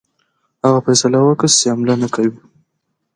هغه فیصله وکړه چې حمله نه کوي.